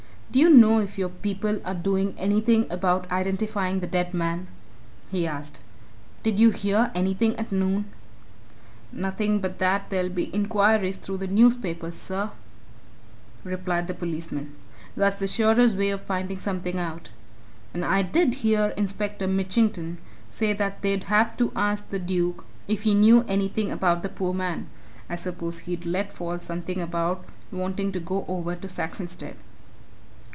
"Do you know if your people are doing anything about identifying the dead man?" he asked. "Did you hear anything at noon?" "Nothing but that there'll be inquiries through the newspapers, sir," replied the policeman. "That's the surest way of finding something out. And I did hear Inspector Mitchington say that they'd have to ask the Duke if he knew anything about the poor man I suppose he'd let fall something about wanting to go over to Saxonsteade."